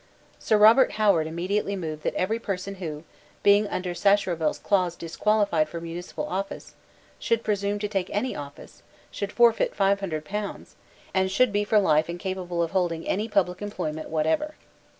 Sir Robert Howard immediately moved that every person who, being under Sacheverell's clause disqualified for municipal office, should presume to take any such office, should forfeit five hundred pounds, and should be for life incapable of holding any public employment whatever.